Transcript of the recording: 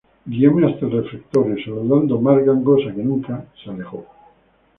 guióme hasta el refectorio, y saludando más gangosa que nunca, se alejó.